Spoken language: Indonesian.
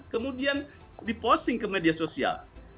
kemudian diposting ke media sosial